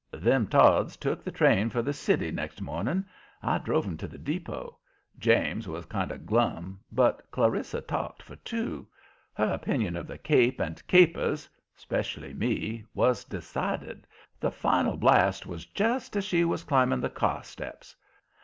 Them Todds took the train for the city next morning. I drove 'em to the depot. James was kind of glum, but Clarissa talked for two. Her opinion of the Cape and Capers, 'specially me, was decided. The final blast was just as she was climbing the car steps.